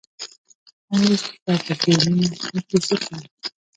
اوس به په دې نيمه شپه کې څه کوو؟